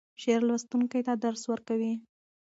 شعر لوستونکی ته درس ورکوي.